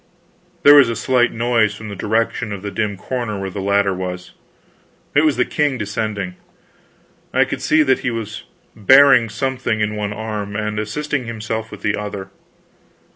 There was a slight noise from the direction of the dim corner where the ladder was. It was the king descending. I could see that he was bearing something in one arm, and assisting himself with the other.